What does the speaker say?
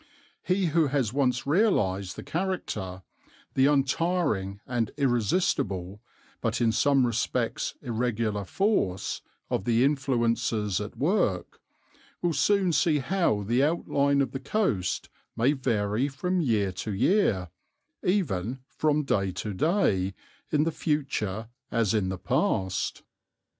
He who has once realized the character, the untiring and irresistible, but in some respects irregular force, of the influences at work, will soon see how the outline of the coast may vary from year to year, even from day to day, in the future as in the past.